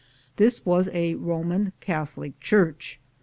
This was a Roman Catholic church.